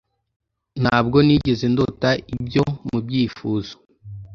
ntabwo nigeze ndota ibyo mubyifuzo